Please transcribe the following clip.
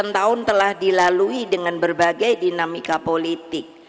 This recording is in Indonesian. delapan tahun telah dilalui dengan berbagai dinamika politik